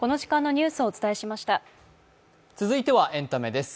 続いてはエンタメです。